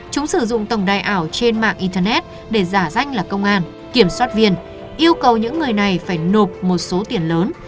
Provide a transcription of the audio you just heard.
chúng sử dụng tổng đài ảo trên mạng internet để giả danh là công an kiểm soát viên yêu cầu những người này phải nộp một số tiền lớn